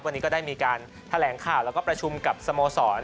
วันนี้ก็ได้มีการแถลงข่าวแล้วก็ประชุมกับสโมสร